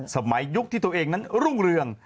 ยุคที่ตัวเองนั้นรุ่งเรือง